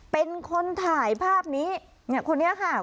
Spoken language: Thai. เป็นคนถ่ายภาพนี้เนี่ยคนนี้ค่ะ